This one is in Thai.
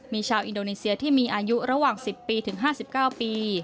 มีชาวอินโดนีเซียที่มีอายุระหว่าง๑๐ปีถึง๕๙ปี